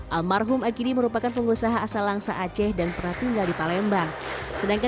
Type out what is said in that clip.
almarhum akidi merupakan pengusaha asal langsa aceh dan pernah tinggal di palembang sedangkan